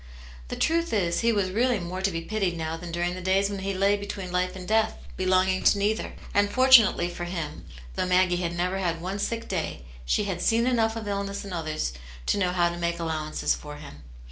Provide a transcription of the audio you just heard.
The truth is he was really more to be pitied now than during the days when he lay between life and death, belonging to neither. And fortunately for him, though Maggie had never had one sick day, she had seen enough of illness in others to know how to make allowances for him.